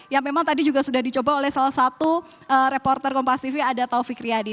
yang memang tadi juga sudah dicoba oleh salah satu reporter kompas tv ada taufik riyadi